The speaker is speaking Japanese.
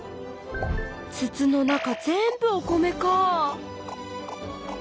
つつの中全部お米かぁ！